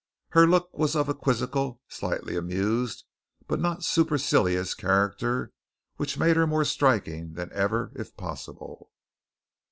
Her look was of a quizzical, slightly amused, but not supercilious character which made her more striking than ever if possible.